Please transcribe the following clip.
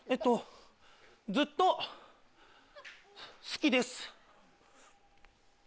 ずっと好きです。